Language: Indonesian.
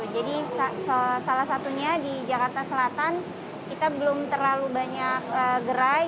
jadi salah satunya di jakarta selatan kita belum terlalu banyak gerai